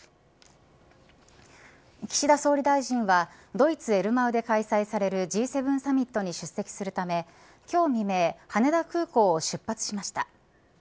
岸田総理大臣はドイツエルマウで開催されるＧ７サミットに出席するため今日未明羽田空港を出発しました。